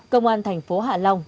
công an thành phố hạ long